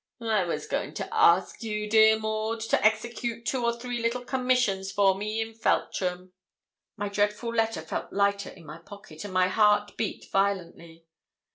'I was going to ask you, dear Maud, to execute two or three little commissions for me in Feltram.' My dreadful letter felt lighter in my pocket, and my heart beat violently.